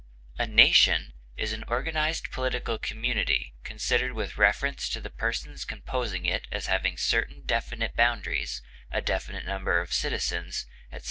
A nation is an organized political community considered with reference to the persons composing it as having certain definite boundaries, a definite number of citizens, etc.